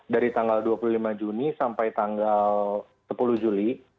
dari tanggal dua puluh lima juni sampai tanggal sepuluh juli